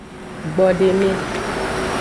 Gbodeme.